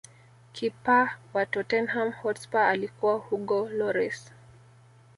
kipa wa tottenham hotspur alikuwa hugo loris